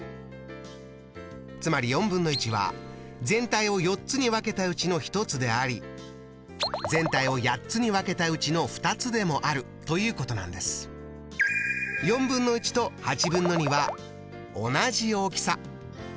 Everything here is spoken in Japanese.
つまりは全体を４つに分けたうちの１つであり全体を８つに分けたうちの２つでもあるということなんです。とは同じ大きさ。